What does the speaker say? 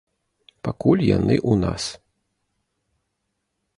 Пакуль яны ў нас.